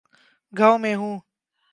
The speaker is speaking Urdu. گاؤں میں ہوں۔